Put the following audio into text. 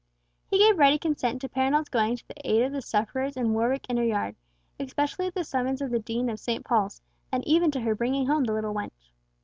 He gave ready consent to Perronel's going to the aid of the sufferers in Warwick Inner Yard, especially at the summons of the Dean of St. Paul's, and even to her bringing home the little wench.